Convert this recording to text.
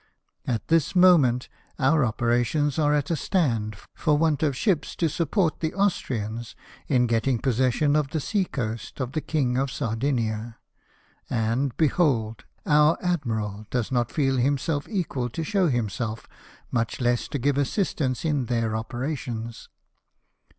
At this moment our operations are at a stand for want of ships to support the Austrians in getting possession of the sea coast of the King of Sardinia ; and, behold, our admiral does not feel himself equal to show himself, much less to give assistance in their operations."